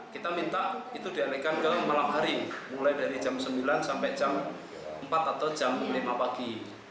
kita minta itu dialihkan ke malam hari mulai dari jam sembilan sampai jam empat atau jam lima pagi